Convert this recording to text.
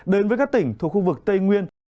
đến với các tỉnh thuộc khu vực tây nguyên